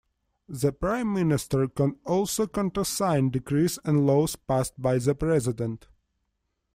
The prime minister can also countersign decrees and laws passed by the president.